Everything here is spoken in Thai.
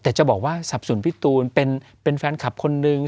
แต่จะบอกว่าสับสนพี่ตูนเป็นแฟนคลับคนนึง